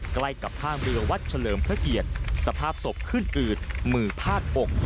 ใกล้กับท่ามเรือวัดเฉลิมพระเกียรติสภาพศพขึ้นอืดมือพาดอก